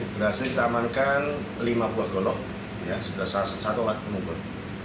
berhasil ditamankan lima buah golok ya salah satu alat pengunggul